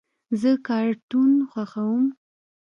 زه کارټون خوښوم.